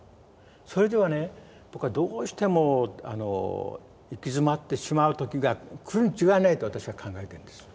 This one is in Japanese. それではね僕はどうしても行き詰まってしまう時が来るに違いないと私は考えてるんです。